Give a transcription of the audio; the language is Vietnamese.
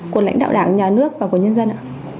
của lãnh đạo đảng nhà nước và của nhân dân ạ